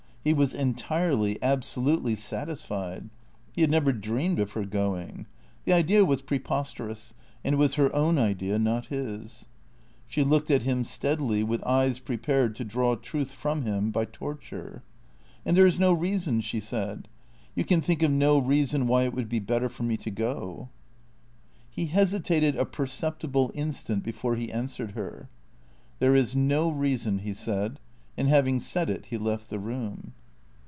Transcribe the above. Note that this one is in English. He was entirely, absolutely satisfied. He had never dreamed of her going. The idea was preposterous, and it was her own idea, not his. She looked at him steadily, with eyes prepared to draw truth from him by torture. " x\nd there is no reason ?" she said. " You can think of no reason why it would be better for me to go ?" 258 THECEEATOES He hesitated a perceptible instant before he answered her. " There is no reason," he said ; and having said it, he left the room.